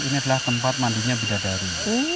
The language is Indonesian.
ini adalah tempat mandinya bidadari